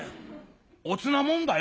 おつなもんだよ？」。